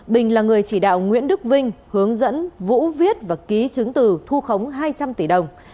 bình là người chỉ đạo nguyễn đức vinh hướng dẫn vũ viết và ký chứng từ thu khống hai trăm linh tỷ đồng